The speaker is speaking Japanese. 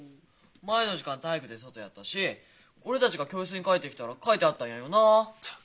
前の時間体育で外やったし俺たちが教室に帰ってきたら書いてあったんやよなあ？